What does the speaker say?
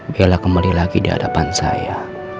biar lah kembali lagi di hadapan saya